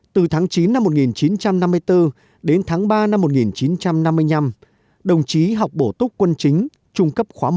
từ tháng chín năm một nghìn chín trăm năm mươi bốn đến tháng ba năm một nghìn chín trăm năm mươi năm đồng chí học bổ túc quân chính trung cấp khóa một